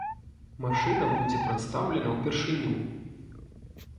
Машына будзе прадстаўлена ўпершыню.